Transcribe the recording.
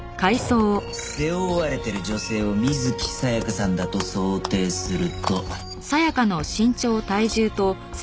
背負われてる女性を水木沙也加さんだと想定すると。